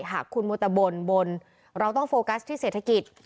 หากคุณมูตะบนบนเราต้องโฟกัสที่เศรษฐกิจ